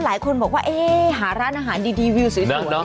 หลายคนบอกว่าเอ๊ะหาร้านอาหารดีวิวสวย